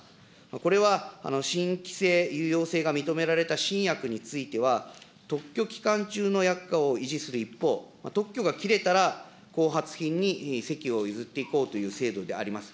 これは、新規性、有用性が認められた新薬については、特許期間中の薬価を維持する一方、特許が切れたら後発品に席を譲っていこうという制度であります。